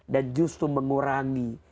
dan justru mengurangi